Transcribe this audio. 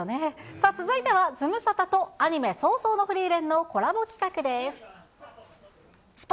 さあ、続いてはズムサタとアニメ、葬送のフリーレンのコラボ企画です。